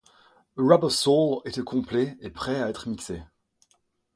Rubber Soul est au complet et prêt à être mixé.